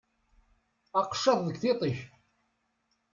Aqeccaḍ deg tiṭ-ik!